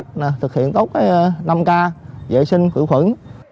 chúng tôi có bốn cách thực hiện tốt năm k vệ sinh cửa khuẩn